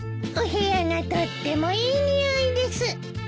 お部屋がとってもいい匂いです。